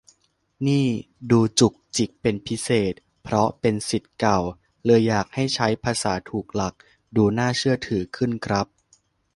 นี่ดูจุกจิกเป็นพิเศษ เพราะเป็นศิษย์เก่า เลยอยากให้ใช้ภาษาถูกหลัก ดูน่าเชื่อถือขึ้นครับ